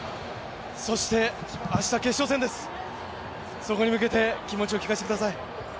そして明日決勝戦です、気持ちを聞かせてください。